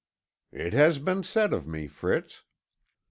"It has been said of me, Fritz."